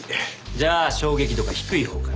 じゃあ衝撃度が低いほうから。